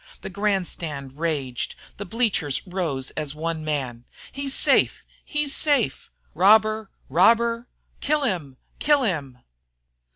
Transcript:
The grandstand raged; the bleachers rose as one man. "He's safe! He's safe!" "Robber! Robber!" "Kill him! Kill him!"